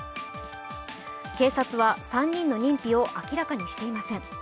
警察は３人の認否を明らかにしていません。